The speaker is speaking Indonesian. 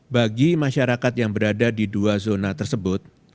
bagi masyarakat yang berada di dua zona tersebut